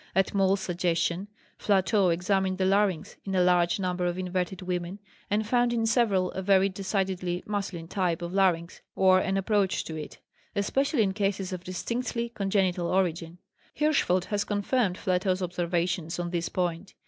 At Moll's suggestion, Flatau examined the larynx in a large number of inverted women, and found in several a very decidedly masculine type of larynx, or an approach to it, especially in cases of distinctly congenital origin. Hirschfeld has confirmed Flatau's observations on this point.